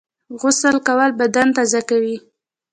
غسل کول بدن تازه کوي